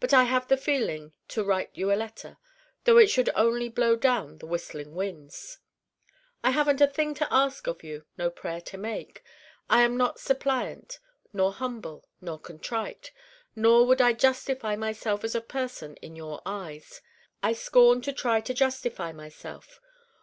But I have the feeling to write you a letter, though it should only blow down the whistling winds. I haven't a thing to ask of you: no prayer to make. I am not suppliant nor humble nor contrite. Nor would I justify myself as a person in your eyes. I scorn to try to justify myself.